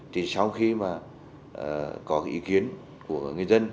thì sau khi mà có cái ý kiến của người dân